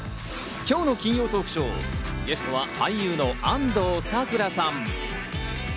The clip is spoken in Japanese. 今日の金曜トークショー、ゲストは俳優の安藤サクラさん。